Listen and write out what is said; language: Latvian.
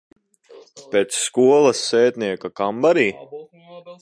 Pēc skolas sētnieka kambarī?